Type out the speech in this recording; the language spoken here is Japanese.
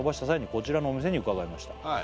「こちらのお店に伺いました」